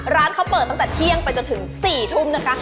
ร้านเขาเปิดตั้งแต่เที่ยงไปจนถึง๔ทุ่มนะคะ